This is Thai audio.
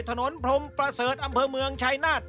ถนนพรมประเสริฐอำเภอเมืองชายนาฏ